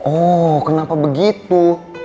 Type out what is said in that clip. oh kenapa begitu